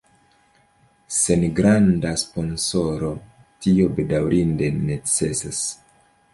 Sen granda sponsoro tio bedaŭrinde necesas.